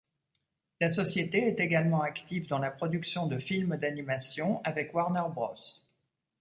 La société est également active dans la production de films d'animation avec Warner Bros.